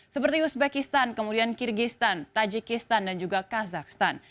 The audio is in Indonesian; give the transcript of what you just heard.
seperti uzbekistan kemudian kyrgyzstan tajikistan dan juga kazakhstan